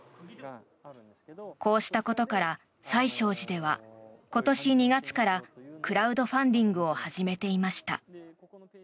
こうしたことから最勝寺では今年２月からクラウドファンディングを始めていました。